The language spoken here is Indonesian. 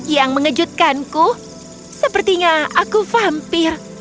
yang mengejutkanku sepertinya aku vampir